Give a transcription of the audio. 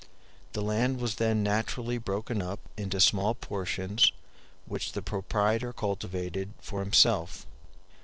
The land was then naturally broken up into small portions, which the proprietor cultivated for himself.